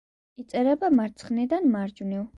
იწერება მარცხნიდან მარჯვნივ.